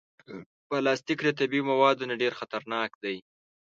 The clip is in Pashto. پلاستيک له طبعي موادو نه ډېر خطرناک دی.